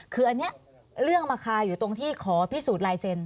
คืออันนี้เรื่องมาคาอยู่ตรงที่ขอพิสูจน์ลายเซ็น